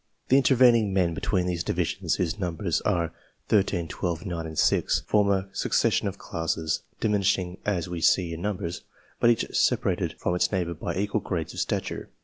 The intervening men between these divisions, whose numbers are 13, 12, 9, and 6, form a succession of classes, diminishing as we see in numbers, but each separated from its neighbours by equal grades of stature.